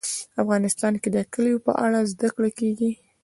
افغانستان کې د کلیو په اړه زده کړه کېږي.